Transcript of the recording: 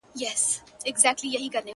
ساقي نوې مي توبه کړه ډک جامونه ښخومه،